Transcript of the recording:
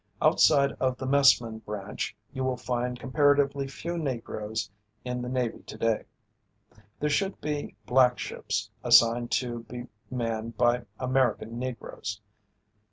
Outside of the messman branch you will find comparatively few Negroes in the Navy today. "There should be 'black ships' assigned to be manned by American Negroes.